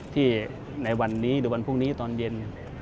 ในวันนี้หรือวันพรุ่งนี้ตอนเย็น